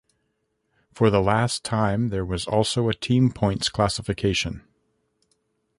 For the last time, there was also a team points classification.